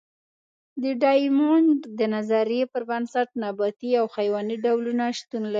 د ډایمونډ د نظریې پر بنسټ نباتي او حیواني ډولونه شتون لري.